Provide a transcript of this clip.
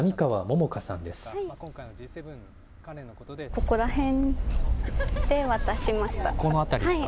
ここら辺で渡しました。